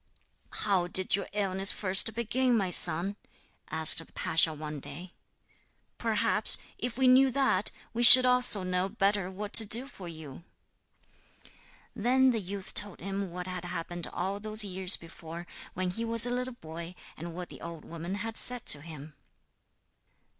'How did your illness first begin, my son?' asked the pasha one day. 'Perhaps, if we knew that, we should also know better what to do for you.' Then the youth told him what had happened all those years before, when he was a little boy, and what the old woman had said to him.